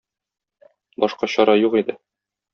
Башка чара юк иде.